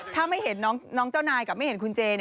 ถ้าไม่เห็นน้องเจ้านายกับไม่เห็นคุณเจ